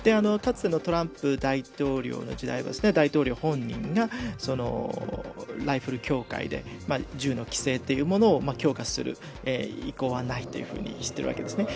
かつてのトランプ大統領の時代は大統領本人がライフル協会で銃の規制というものを強化する意向はないとしているわけです。